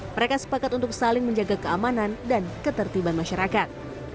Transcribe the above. mereka sepakat untuk saling menjaga keamanan dan ketertiban masyarakat